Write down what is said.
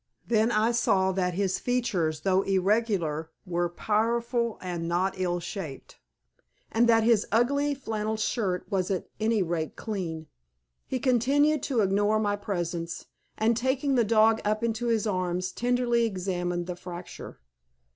Then I saw that his features, though irregular, were powerful and not ill shaped, and that his ugly flannel shirt was at any rate clean. He continued to ignore my presence, and, taking the dog up into his arms, tenderly examined the fracture.